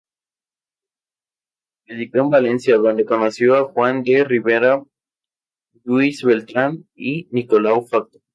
Predicó en Valencia, donde conoció a Juan de Ribera, Lluís Bertran y Nicolau Factor.